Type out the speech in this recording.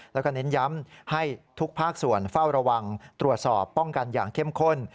แล้วก็เน้นย้ำให้ทุกภาคส่วนเฝ้าระวังตรวจสอบป้องกันอย่างเข้มข้น